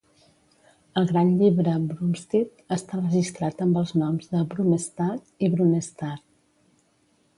Al gran llibre Brumstead està registrat amb els noms de "Brumestade" i "Brunestade".